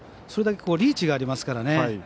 それだけリーチがありますからね。